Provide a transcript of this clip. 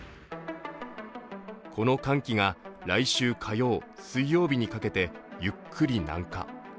この寒気が来週火曜・水曜日にかけてゆっくり南下。